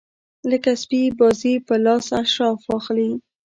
لکه سپي بازي په لاس اشراف واخلي.